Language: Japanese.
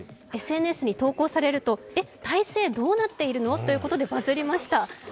ＳＮＳに投稿されると体勢どうなってるの？とバズりました。